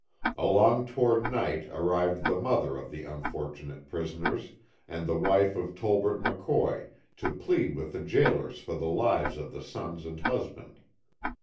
Along toward night arrived the mother of the unfortunate prisoners, and the wife of Tolbert McCoy, to plead with the jailers for the lives of the sons and husband.